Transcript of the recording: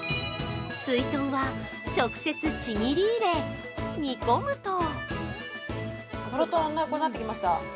すいとんは直接ちぎり入れ、煮込むとトロトロになってきました。